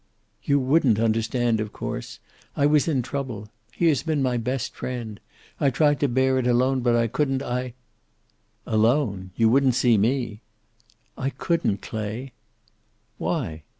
"You wouldn't understand, of course. I was in trouble. He has been my best friend. I tried to bear it alone, but I couldn't. I " "Alone! You wouldn't see me." "I couldn't, Clay." "Why?"